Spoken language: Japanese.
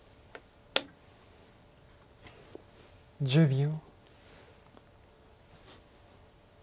１０秒。